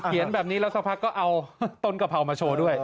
เขียนแบบนี้สักพักก็เอาต้นกรับเผามาโชว์ด้วย